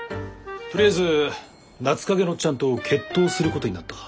とりあえず夏影のオッチャンと決闘することになった。